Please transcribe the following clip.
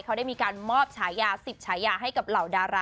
เขาได้มีการมอบฉายา๑๐ฉายาให้กับเหล่าดารา